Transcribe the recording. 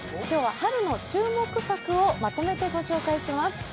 今日は春の注目作をまとめてご紹介します。